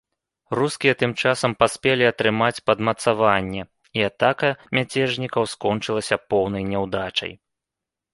Рускія тым часам паспелі атрымаць падмацаванне, і атака мяцежнікаў скончылася поўнай няўдачай.